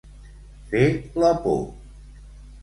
Fer la por.